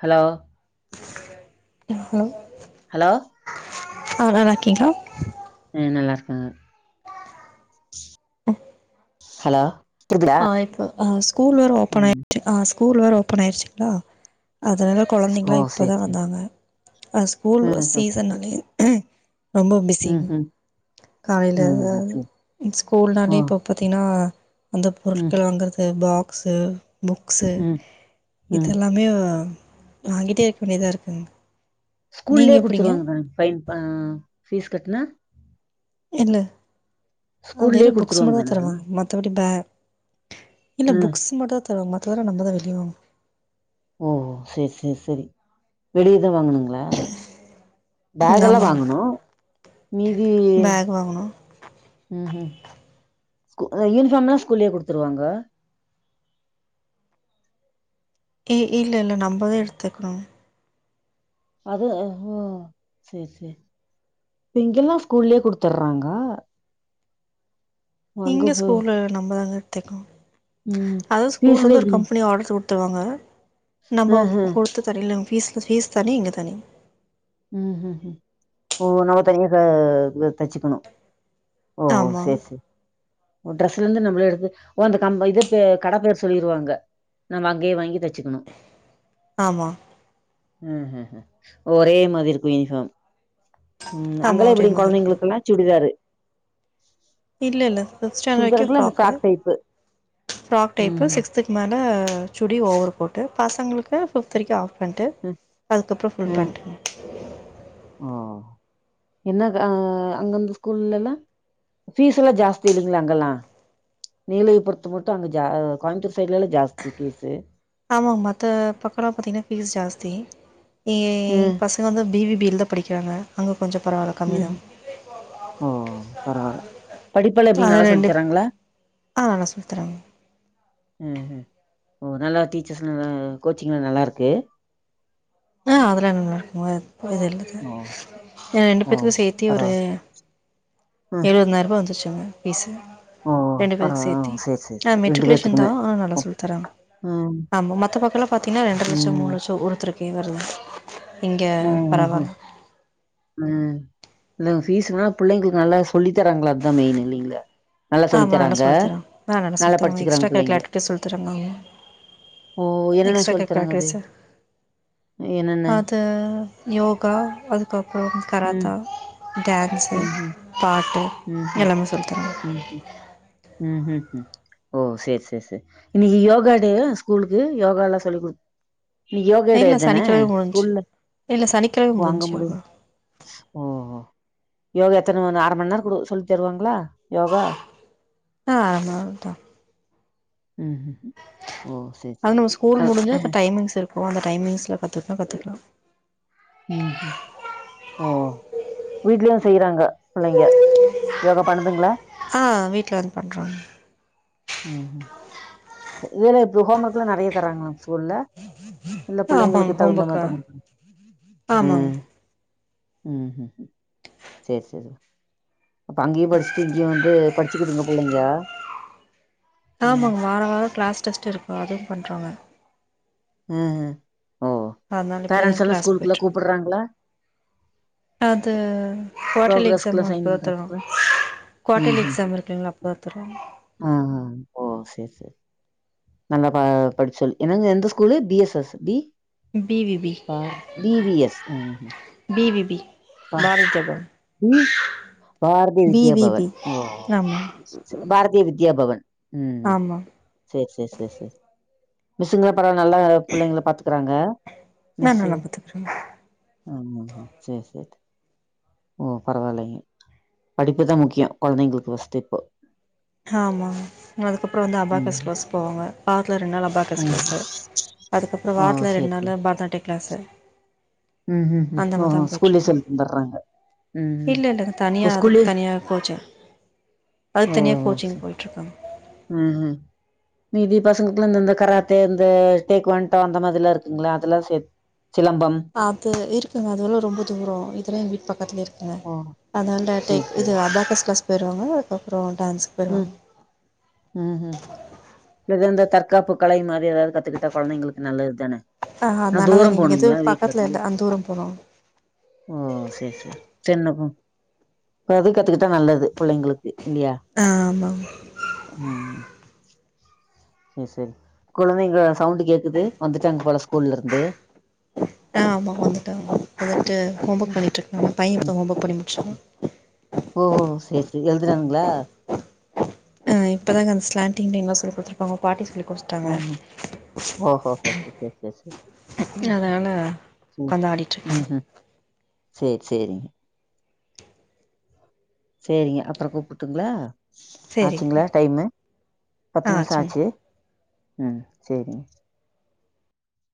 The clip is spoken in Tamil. ஹலோ [inaudible] ஹலோ அவளா லக்கிங்கோ ம் நல்லா இருக்காங்க ஹலோ கேக்குதா ஆ இப்ப ஆ ஸ்கூல் வேற ஓபன் ம் ஆயிருச்சு ஆ ஸ்கூல் வேற ஓபன் ஆயிருச்சுங்ளா அதனால கொழந்தைங்ளா ஓ சேரி இப்பதா சேரி வந்தாங்க அ ஸ்கூல் ம் சீசன்னாலே ரொம்ப ம் பிஸ்ஸிங்க ம் காலையில ம் சேரி ஆ ஸ்கூல்னாலே இப்போ பாத்தீனா அந்த ம் பொருட்கள வாங்குறது பாக்ஸு புக்சு ம் ம் இதெல்லாமே வாங்கிட்டே இருக்க வேண்டியதா இருக்குங் ஸ்கூல்லயே குடுத்துருவாங்க மே பைன் ஃபீஸ் கட்னா இல்ல அ ஸ்கூல்லயே வெறு புக்ஸ் குடுத்துருவாங்க மட்டு தான் தான எல்லா தருவாங் மத்தபடி பே இல்ல ம் புக்ஸ் மட்டுதான் தருவங் மத்தவல்ல நம்மதான் வெளிய வாங்கு ஓ சேர்சேர்சேரி வெளியதான் வாங்கனு ங்கள பேக் வாங்கனு எல்லாம் ஆமாங்க வாங்கணும் மீதி பேக் வாங்கணும் ம் ஹும் ஸ்கூ அ யூனிஃபாம்லா ஸ்கூலயே குடுத்துருவாங்க ஏ இல்லல்ல நம்பதா எடுத்துக்கனு அது அ ஓ சேர்சேரி இங்கெல்லாம் ஸ்கூல்லயே குடுத்துர்றாங்க அங்க இங்க போய் ஸ்கூல நம்மதாங்க எத்துக்கோம் ம் அதா ஸ்கூல பீஸ்ல வந்து ஒரு எப்டி கம்ப்னி ஆர்ட த்துருவாங்க நம்ப ஆஹா கொடுத்து தரில ஃபீஸ் ஃபீஸ் தனி இங்க தனி ம் ஹூ ஹூ ஓ நமத்தன அ தச்சுக்கணும் ஆமா ஒ டிரரெஸ்ல ருந்து நம்மள எடுத்து ஒ அந்தம்ப இத கட பேர் சொல்லிருவாங்க நம்ம அங்கேயே வாங்கி த ஆமா. ம்ஹும் ஹூம் ஒரே மாதிரிக்கும் யூனிஃபார்ம் ம் ஆமாம் அங்கெலா ஒரே எப்டி மாதிரி இருக்கும் குழந்தைங்களுகெலா சுடிதாரு இல்ல ல்ல ஃபிப்த் ஸ்டாண்டர்ட் வரைக்கு சுடிதாருக்குல்ல அந்த frock frock type frock type ம்ஹும் சிக்ஸ்துக்கு மேல சுடி ஓவர் கோட் பசங்ளுக்கு பிப்த் வரைக்கும் ஆ பண்ட்டு அ அதுக்கப்புறம் ஃபுல் பேண்ட் ஆ என்ன அங்க அ அங்கன் ஸ்கூல்லலாம் ஃபீஸ் லாம் ஜாஸ்தி இல்லைங்ளா அங்கல்லாம் நீலையை பொறுத்த மட்டு அங்க ஜ கோயம்த்தூர் சைட்ல லாம் ஜாஸ்தி ஃபீஸ்சு ஆமா மத்த பக்கலா பாத்தீங்னா ஃபீஸ் ஜாஸ்தி ஏ ம் பசங்க வந்து பிபிபில தா படிக்றாங்க அங்க கொஞ்சம் பரவால கம்மி தா ம் ஓ பரவால படிப்பலா எப்டி அது நல்லா ரெண்டு சொல்லித்தறாங்ளா ஆ நல்லா சொல்லி தராங்க ம்ஹூம் ஓ நல்லா டீச்சர்ஸ்லாம் நல்ல கோச்சிங்லாம் நல்லாருக்கு ம்ம் அதெல்லாம் நல்லா ருக்குங்க ஒ இதெல்லுது ஓ ஏ ரெண்டு ஓ பேத்துக்கும் சேத்தி பரவா ஒரு ம் எழுவன்தாயிரவா வந்துருச்சுங்க பீஸு ஓ ஓ ரெண்டு பேரு பரவா ஓ சேத்தி சேரி சேரி ஆ சேரி ரெண்டு மெட்ரிகுலேஷன் பேத்துக்குமே தான் ஆ நல்லா ஓகே சொல்லி தராங்க ம் ஆமா மத்த பக்கோல பாத்தீங்கன்னா ரெண்டர லட்சோ ம் மூணு லட்சோ ஒருத்தருக்கே வருது இங்க ம் ம் பரவால்ல இவ்ளோ ஃபீஸ்ன்னா புள்ளைங்களுக்கு நல்லா சொல்லி தராங்களா அதா மெயினு இல்லைங்களா ஆமா நல்லா சொல்லி தராங்க ஆ நல்லா சொல்லி தருவாங் படிச்சுக்கிறாங்க எக்ஸ்ட்ரா கரிகுலர் புள்ளைங்க ஆக்டிவிட்டீஸ் சொல்லித்தராங்கங்கோ ஓ என்னென்ன எக்ஸ்ட்ரா சொல்லி கரிக்குலர் தராங்க அது ஆக்டிவிட்டிஸ் என்னென்ன அது அ யோகா அதுக்கப்புறம் ம் கராத்தா டான்ஸ்சு ம் ம் பாட்டு ம் எல்லாமே சொல்லித் தரங்க ம் ம் ம் ம் ம் ஓ சேரி சேரி சேரி இன்னைக்கு யோகா டேவா ஸ்கூலுக்கு யோகால்லா சொல்லிகுடு இன்னிக் யோகா டே இல்லை தானே சனிக்கிழமை முடிஞ்சிச்சு ஸ்கூல்ல இல்லை சனிக்கிழமை ஓ அங்க முடிஞ்சிச்சு முடிஞ் யோகா ஓ ஓ யோகா எத்தன மணி அரமணி நேரோ சொல்லி தருவாங்களா யோகா ஆ ஆமாங்கா ம் ம் ம் ஓ சேரி சேரி எப்போவு அந்த டைமிங்ஸ்ல கத்துக்கிட்டோம்னா கத்துக்கலாம் ம் ம் ஓ வீட்ல வந்து செய்றாங்க புள்ளைங்க யோகா பண்ணுதுங்களா ஆ வீட்ல வந்து பண்றாங்க ம் ம் இதெல்லா இப்ப ஹோம் ஒர்க்லாம் நெறைய தராங்லா இந்த ஸ்கூல்ல இல்ல புள்ளைங்களுக்கு தகுந்த மாறிதா குடுக்கறாங்க ஆமாங் ம் ம் சேரி சேரி அப்ப அங்கயு படிச்சுட்டு இங்கயு வந்து படிச்சுகுதுங்க புள்ளைங்க ம் ஆமாங்க வாரோ வாரோ கிளாஸ் டெஸ்ட் இருக்கு அதுவும் பண்றாங்க ம் ம் ஓ அதனால் இப்படி பேரண்ட்ஸ் தான் எல்லா கிளாஸ் ஸ்கூலுக்குள்ள போய்ட்டுருக்கு கூப்பட்றாங்களா அது குவாட்டர்லி எக்ஸாம் ப்ரோக்ரஸ்குள்ள சைன் வந்தபெறகு தானா பண்றதுக்குலா ம் குவாட்டர்லி ம் எக்ஸாம் இருக்குங்களா அப்ப தருவாங்க ஆ ஆ ஓ சேரி சேரி நல்லா பா படிப் சொல்லி என்னங்க எந்த school D S S D BVB பார் டி வி எஸ் ம் ம் பாரதி வித்யா பவன் ம் ம் பாரதி வித்யா பி பவன் ஒ ஆமா ஒ பாரதிய வித்யா பவன் ம் ம் ஆமா சேரி சேரி சேரி சேரி மிஸ்சுங்க பரவால்ல நல்லா புள்ளைங்கள பாத்துக்கறாங்க ஆ நல்லா பாத்துக்கறாங்க ஆமாங்க சேரி சேரி ஓ பரவால்லைங்க படிப்புதா முக்கியோ கொழந்தைங்களுக்கு ஃபர்ஸ்ட் இப்போ ஆமா அதுக்கப்புறோ வந்து அபாக்கஸ் ம் க்ளாஸ் போவாங்க வாரத்துல ரெண்டு நாள் அபாக்கஸ் ம் க்ளாஸ்சு அதுக்கப்புறம் ஓ வாரத்துல ரெண்டு நாளு பரதநாட்டிய க்ளாசு ம்ம் ம்ம் ஓ ஓ ஸ்கூல்லயே சொல்லி தந்துட்றாங்க இல்ல இல்ல அது தனியா அதுக்கு தனியா கோச்சர் அதுக்கு தனியா கோச்சிங் போயிட்டு இருக்காங்க ம்ம் மீதி பசங்களுக்ள இந்த இந்த கராத்தே இந்த டேக் ஒன்டா அந்த மாரில்லா இருக்குங்களா அதெல்லா சேத் சிலம்பம். அது இருக்குங்க. அதுவெல்லா ரொம்ப தூரோ இதெல்லா எங் வீட்டு பக்கத்துல இருக் ங்க ஓ! அதனால சரி, டேக் சரி. இது அபாகஸ் க்ளாஸ் போய்ருவாங்க. அதுக்கப்றோ ம் ம் ம் எது இந்த தற்காப்பு கலை மா ரி எதாது கத்துக்கிட்டா கொழந்தைங்களுக்கு நல்லது தானே. ஆ ஆனா அதனாலதாங்க தூரம் இங்க எது போனுங்ளா பக்கத்துல வீட்லருந்து இல்ல அந் தூரம் போனு ஓ சேரி சேரி சென்னா போ அது கத்துக்கிட்டா நல்லது புள்ளைங்களுக்கு இல்லியா ஆமாங் சேரி சேரி குழந்தைங்க சவுண்டு் கேக்குது. வந்துட்டாங்க போல ஸ்கூல்ல இருந்து ஆ ஆமா வந்துட்டாங்க இப்பதா ட்டு ஹோம் ஒர்க் ம். பண்ணிட்டிருக்காங்க பைய இப்போ தா ஹோம் ஒர்க் பண்ணி முச்சா ஓ ஓ ஓ சேரி சேரி எழுதுறானுங்ளா அ இப்ப தாங்க அந்தஸ்லாண்டிங் லைன்லா சொல்லிடுத்துருப்பாங்க பாட்டி சொல்லி கொடுத்துட்டாங்க ஆஹ. ஓஹோஹோ சேரி சேரி அதனால் உட்காந்து ஆடிகிட்ருக்காங்க உஹூம் சேரி சேரி சேரிங்க அப்புறோ கூப்புட்டுங்ளா ஆச்சுங்களா சரிங்க டைமு ஆ பத்து நிமிஷ சரி ஆச்சு ம் சேரிங்க